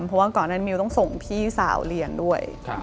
เพราะว่าก่อนนั้นมิวต้องส่งพี่สาวเรียนด้วย